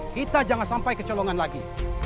kita jangan sampai kecolongan lagi